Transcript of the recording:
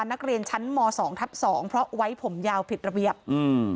นักเรียนชั้นมสองทับสองเพราะไว้ผมยาวผิดระเบียบอืม